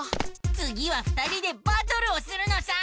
つぎは２人でバトルをするのさ！